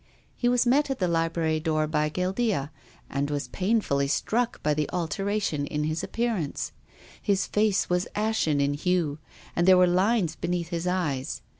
He was met at the library door by Guildea and was painfully struck by the alteration in his ap pearance. His face was ashen in hue, and there were lines beneath his eyes.